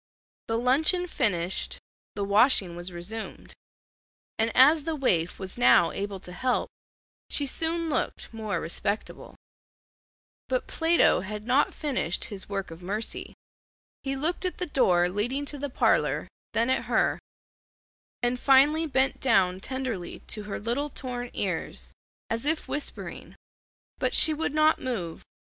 The luncheon finished, the washing was resumed, and as the waif was now able to help, she soon looked more respectable. But Plato had not finished his work of mercy. He looked at the door leading to the parlor, then at her; and finally bent down tenderly to her little torn ears, as if whispering, but she would not move.